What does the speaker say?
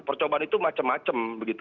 percobaan itu macam macam